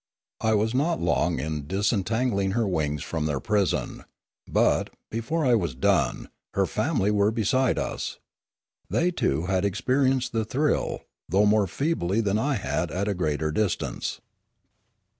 I was not long in dis entangling her wings from their prison. But, before I was done, her family were beside us; they too had ex perienced the thrill, though more feebly than I had and at a greater distance.